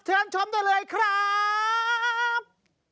เชิญชมได้เลยครับ